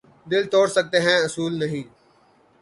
دل توڑ سکتے ہیں اصول نہیں